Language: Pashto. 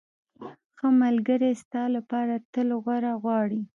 ښه ملګری ستا لپاره تل غوره غواړي.